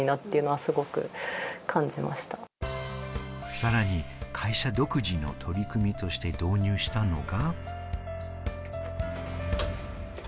さらに、会社独自の取り組みとして導入したのが。